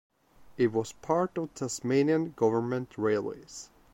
It was part of Tasmanian Government Railways.